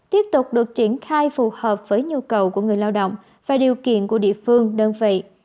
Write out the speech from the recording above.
tiếp tục được triển khai phù hợp với nhu cầu của người lao động và điều kiện của địa phương đơn vị